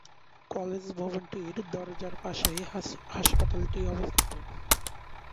College ভবনটির দরজার পাশেই হাসপাতালটি অবস্থিত।